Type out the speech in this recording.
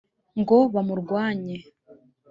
ngo bamurwanye